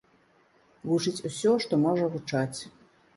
Гучыць усё, што можа гучаць.